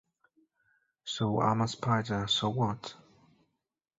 So I'm a Spider, So What?